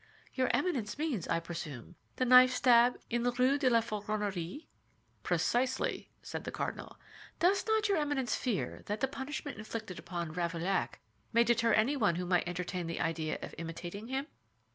"Your Eminence means, I presume, the knife stab in the Rue de la Feronnerie?" "Precisely," said the cardinal. "Does not your Eminence fear that the punishment inflicted upon Ravaillac may deter anyone who might entertain the idea of imitating him?"